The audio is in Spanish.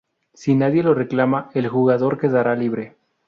Si nadie lo reclama, el jugador quedará libre".